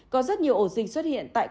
có rất nhiều ổ dịch xuất hiện tại công ty